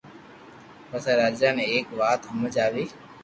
پسي راجا ني ايڪ وات ھمج آوي